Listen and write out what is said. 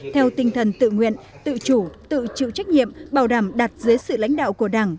theo tinh thần tự nguyện tự chủ tự chịu trách nhiệm bảo đảm đặt dưới sự lãnh đạo của đảng